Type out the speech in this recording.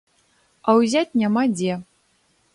А ўзяць няма дзе.